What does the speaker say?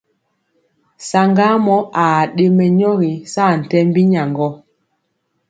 Saŋgamɔ aa ɗe mɛnyɔgi saa tembi nyagŋgɔ.